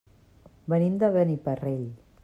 Venim de Beniparrell.